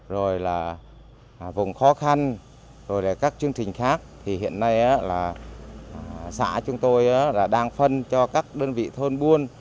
rồi là vùng khó khăn rồi các chương trình khác thì hiện nay là xã chúng tôi đang phân cho các đơn vị thôn buôn